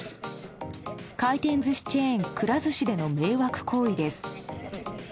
回転寿司チェーン、くら寿司での迷惑行為です。